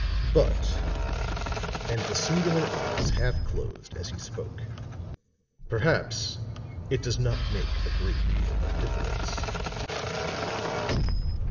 But," and the singular eyes half closed as he spoke, "perhaps it does not make a great deal of difference.